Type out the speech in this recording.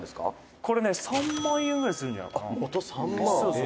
「これね、３万円ぐらいするんじゃないかな？」